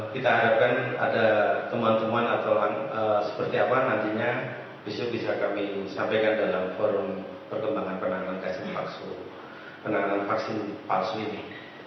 kita harapkan ada teman teman atau seperti apa nantinya besok bisa kami sampaikan dalam forum perkembangan penanganan vaksin palsu ini